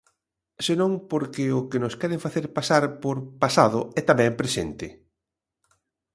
Senón porque o que nos queren facer pasar por pasado é tamén presente.